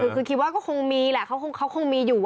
คือคิดว่าก็คงมีแหละเขาคงมีอยู่